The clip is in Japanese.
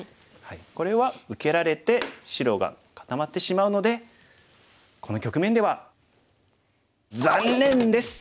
これは受けられて白が固まってしまうのでこの局面では。